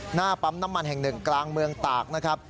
หน้าปั๊มน้ำมันแห่งหนึ่งกลางเมืองตากนะครับ